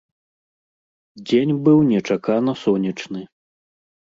Дзень быў нечакана сонечны.